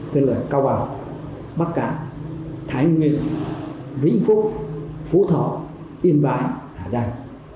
tên là cao bảo bắc cã thái nguyên vĩnh phúc phú thỏ yên vãi hà giang